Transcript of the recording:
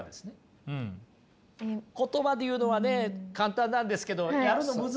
言葉で言うのはね簡単なんですけど先生